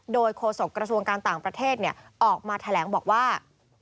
โดยโฆษกระทรวงการต่างประเทศออกมาแถลงบอกว่า